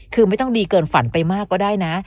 คือไม่ต้องดีเกินฝันไปมากก็ได้นะ